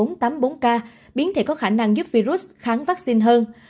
n năm trăm linh một i và e bốn trăm tám mươi bốn k biến thể có khả năng giúp virus kháng vaccine hơn